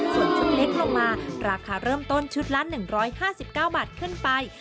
ส่วนชุดเล็กลงมาราคาเริ่มต้นชุดละ๑๕๙บาทขึ้นไป